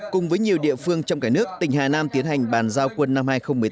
cùng với nhiều địa phương trong cả nước tỉnh hà nam tiến hành bàn giao quân năm hai nghìn một mươi tám